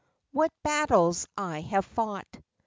what battles I have fought